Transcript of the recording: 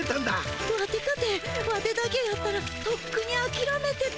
ワテかてワテだけやったらとっくにあきらめてた。